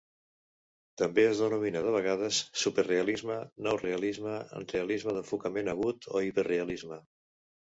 També es denomina de vegades superrealisme, nou realisme, realisme d'enfocament agut o hiperrealisme.